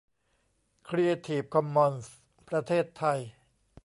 ครีเอทีฟคอมมอนส์ประเทศไทย